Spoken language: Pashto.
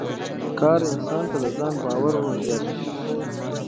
کار انسان ته د ځان باور ور زیاتوي